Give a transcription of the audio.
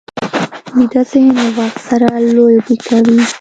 ویده ذهن له وخت سره لوبې کوي